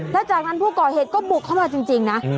และจากนั้นผู้ก่อเหตุก็บุกเข้ามาจริงนะ